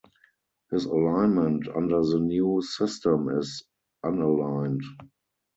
His alignment under the new system is Unaligned.